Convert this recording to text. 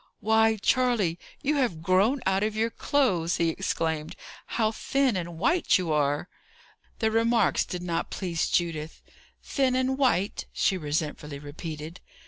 "Why, Charley, you have grown out of your clothes!" he exclaimed. "How thin and white you are!" The remarks did not please Judith. "Thin and white!" she resentfully repeated.